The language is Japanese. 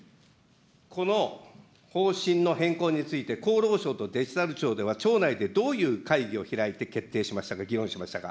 この方針の変更について、厚労省とデジタル庁では、庁内でどういう会議を開いて決定しましたか、議論しましたか。